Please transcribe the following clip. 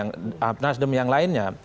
nah pak nasdem yang lainnya